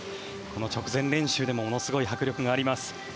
直前練習でもものすごい迫力があります。